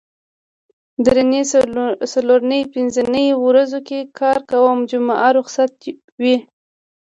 درېنۍ څلورنۍ پینځنۍ ورځو کې کار کوم جمعه روخصت وي